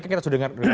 kan kita sudah dengar